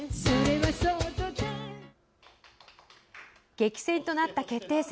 激戦となった決定戦。